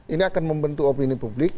ini akan membentuk opini publik